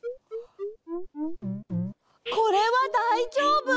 これはだいじょうぶ！